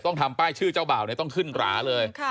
ทำป้ายชื่อเจ้าบ่าวต้องขึ้นหราเลย